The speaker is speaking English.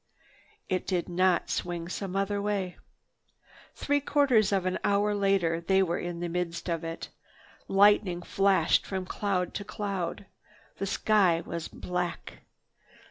It did not swing some other way. Three quarters of an hour later they were in the midst of it. Lightning flashed from cloud to cloud. The sky was black.